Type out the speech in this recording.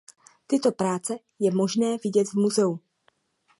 Tyto práce je možné vidět v muzeu.